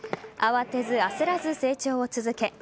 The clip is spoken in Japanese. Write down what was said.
慌てず、焦らず成長を続け